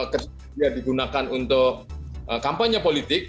ketika dia digunakan untuk kampanye politik